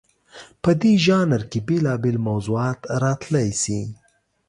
په دې ژانر کې بېلابېل موضوعات راتلی شي.